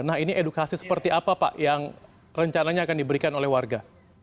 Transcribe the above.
nah ini edukasi seperti apa pak yang rencananya akan diberikan oleh warga